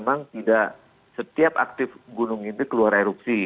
memang tidak setiap aktif gunung ini keluar erupsi